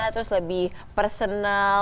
terus lebih personal